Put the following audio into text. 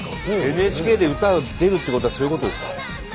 ＮＨＫで歌出るってことはそういうことですから。